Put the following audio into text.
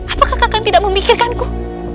apakah kau tidak memikirkanku